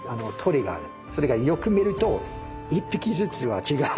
それがよく見ると一匹ずつが違う。